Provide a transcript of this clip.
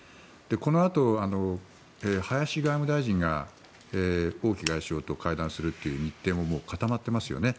このあと林外務大臣が王毅外相と会談するという日程も、もう固まってますよね。